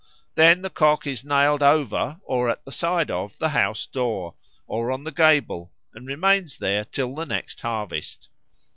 Then the cock is nailed over or at the side of the house door, or on the gable, and remains there till next harvest.